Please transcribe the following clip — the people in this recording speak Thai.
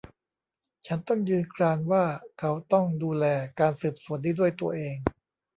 ฉันต้องยืนกรานว่าเขาต้องดูแลการสืบสวนนี้ด้วยตัวเอง